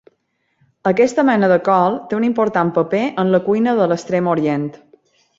Aquesta mena de col té un important paper en la cuina de l'Extrem Orient.